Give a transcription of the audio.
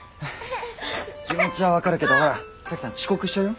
気持ちは分かるけどほら沙樹さん遅刻しちゃうよ。